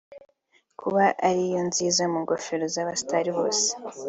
kuba ariyo nziza mu ngofero z’abastars bose